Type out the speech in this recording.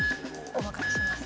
お任せします。